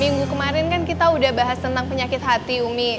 minggu kemarin kan kita udah bahas tentang penyakit hati umi